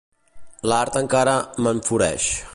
L'art encara m'enfureix.